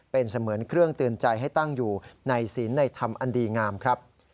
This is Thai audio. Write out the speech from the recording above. เป็นเสมือนเครื่องเตือนใจให้ตั้งอยู่ในศีลในธรรมอันดีงามครับ